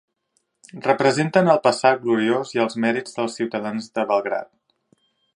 Representen el passat gloriós i els mèrits dels ciutadans de Belgrad.